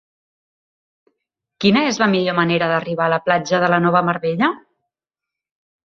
Quina és la millor manera d'arribar a la platja de la Nova Mar Bella?